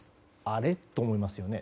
あれ？と思いますよね。